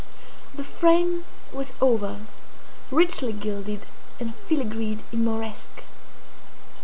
The frame was oval, richly gilded and filigreed in Moresque.